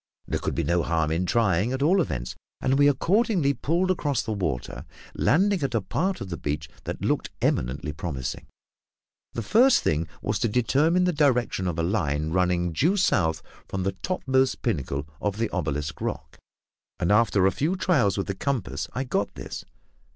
There could be no harm in trying, at all events, and we accordingly pulled across the water, landing at a part of the beach that looked eminently promising. The first thing was to determine the direction of a line running due south from the topmost pinnacle of the obelisk rock, and after a few trials with the compass, I got this.